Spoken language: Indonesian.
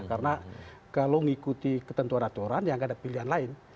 karena kalau ngikuti ketentuan aturan ya nggak ada pilihan lain